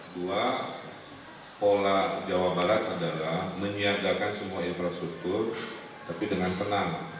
dua pola jawa barat adalah menyiagakan semua infrastruktur tapi dengan tenang